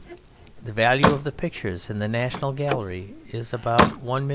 "The value of the pictures in the National Gallery is about £1,250,000."